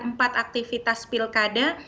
empat aktivitas pilkada